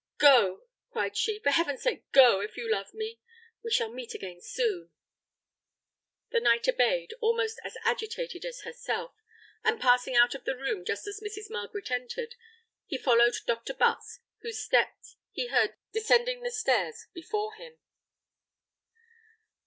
"Go!" cried she; "for heaven's sake, go if you love me! We shall meet again soon." The knight obeyed, almost as agitated as herself; and passing out of the room just as Mrs. Margaret entered, he followed Dr. Butts, whose steps he heard descending the stairs before him.